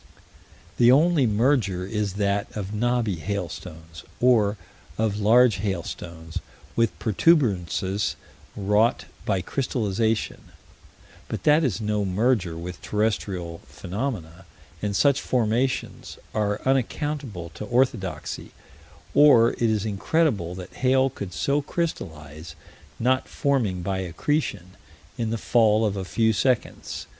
The only merger is that of knobby hailstones, or of large hailstones with protuberances wrought by crystallization: but that is no merger with terrestrial phenomena, and such formations are unaccountable to orthodoxy; or it is incredible that hail could so crystallize not forming by accretion in the fall of a few seconds.